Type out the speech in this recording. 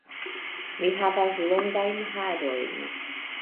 Mi havas longajn harojn.